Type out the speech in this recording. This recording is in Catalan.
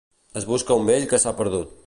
Es busca un vell que s'ha perdut.